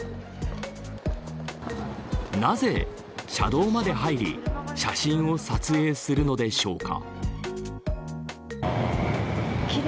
なぜ車道まで入り写真を撮影するのでしょうか。